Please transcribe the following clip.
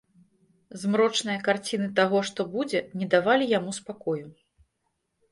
Змрочныя карціны таго, што будзе, не давалі яму спакою.